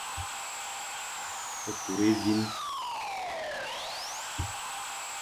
Kur évîn.